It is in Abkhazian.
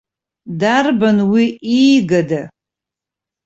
Дарбан уи, иигада?